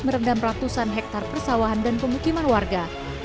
merendam ratusan hektare persawahan dan pemukiman warga